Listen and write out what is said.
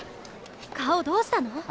顔どうしたの？